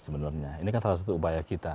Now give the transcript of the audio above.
sebenarnya ini kan salah satu upaya kita